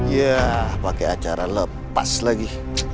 ya pakai acara lepas lagi